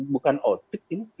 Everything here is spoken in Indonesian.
bukan outbreak ini